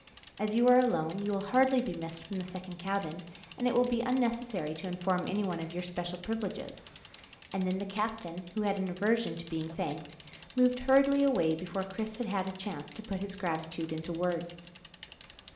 As you are alone, you will hardly be missed from the second cabin, and it will be unnecessary to inform anyone of your special privileges;" and then the captain, who had an aversion to being thanked, moved hurriedly away before Chris had had a chance to put his gratitude into words.